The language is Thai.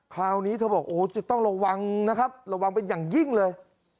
คราวนี้เธอบอกโอ้จะต้องระวังนะครับระวังเป็นอย่างยิ่งเลย